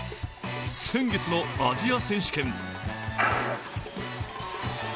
先月のアジア選手権。